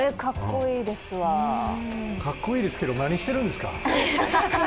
かっこいいですけど、何してるんですか？